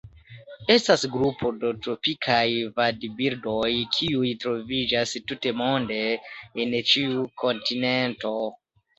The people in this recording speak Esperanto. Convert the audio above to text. Estas grupo de tropikaj vadbirdoj kiuj troviĝas tutmonde en ĉiu kontinento.